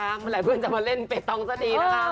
หลายเพื่อนจะมาเล่นเป็นต้องซะดีนะคะ